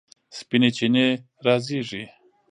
سپینې چینې رازیږي